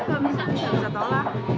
jangan bisa menolak